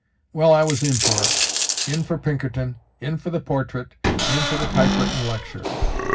Well, I was in for it: in for Pinkerton, in for the portrait, in for the type written lecture.